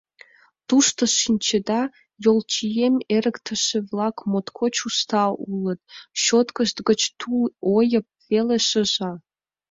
Тушто, шинчеда, йолчием эрыктыше-влак моткоч уста улыт, щёткышт гыч тул ойып веле шыжа...